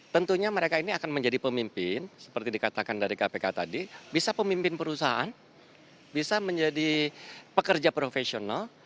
tentunya mereka ini akan menjadi pemimpin seperti dikatakan dari kpk tadi bisa pemimpin perusahaan bisa menjadi pekerja profesional